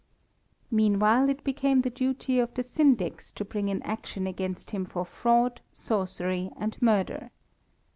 Meanwhile it became the duty of the Syndics to bring an action against him for fraud, sorcery, and murder.